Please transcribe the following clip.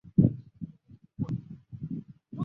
他们将自己的商品通过网展方式推销到世界各地。